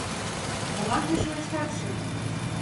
Молан тый шойыштатше?